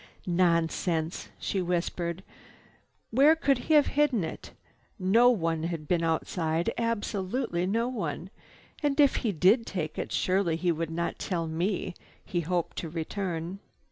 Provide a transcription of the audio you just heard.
"Nonsense!" she whispered. "Where could he have hidden it? No one had been outside, absolutely no one. And if he did take it, surely he would not tell me he hoped to return."